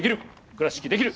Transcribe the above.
倉敷できる！